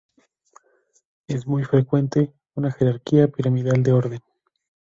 Es muy frecuente una jerarquía piramidal de orden.